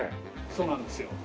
そうなんですよ。